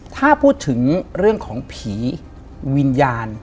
ถ้าพูดถึงเรื่องของผีวิญญาณ